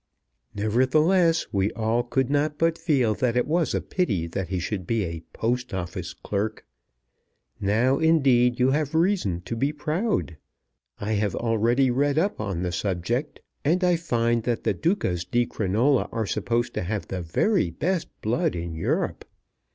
Nevertheless, we all could not but feel that it was a pity that he should be a Post Office clerk! Now, indeed, you have reason to be proud! I have already read up the subject, and I find that the Ducas di Crinola are supposed to have the very best blood in Europe.